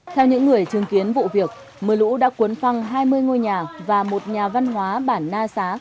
theo những người chứng kiến vụ việc mưa lũ đã cuốn phăng hai mươi ngôi nhà và một nhà văn hóa bản na xá